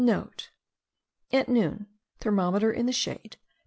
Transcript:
*(* At noon, thermometer in the shade 23.